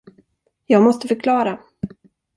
Jag måste förklara.